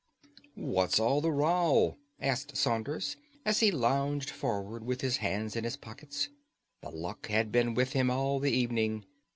"What's all the row?" asked Saunders, as he lounged forward with his hands in his pockets. The luck had been with him all the evening.